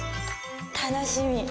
楽しみ！